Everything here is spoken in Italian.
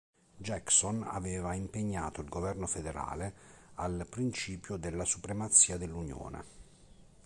Jackson aveva impegnato il governo federale al principio della supremazia dell'Unione.